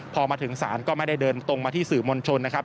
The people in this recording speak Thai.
พอมาถึงศาลก็ไม่ได้เดินตรงมาที่สื่อมวลชนนะครับ